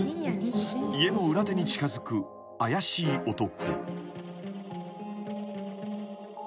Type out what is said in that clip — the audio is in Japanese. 家の裏手に近づく怪しい男］